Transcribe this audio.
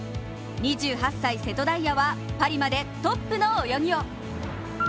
２８歳・瀬戸大也はパリまでトップの泳ぎを。